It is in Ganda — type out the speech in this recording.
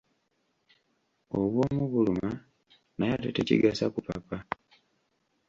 Obw'omu buluma naye ate tekigasa kupapa.